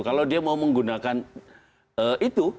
kalau dia mau menggunakan itu